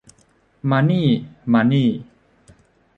มานี่ มานี่